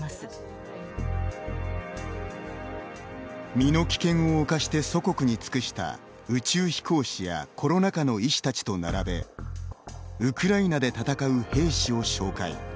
身の危険を冒して祖国に尽くした宇宙飛行士やコロナ禍の医師たちと並べウクライナで戦う兵士を紹介。